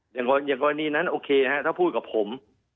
อย่างกรณีนั้นโอเคถ้าพูดกับผม